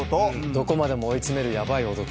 どこまでも追い詰めるヤバい男。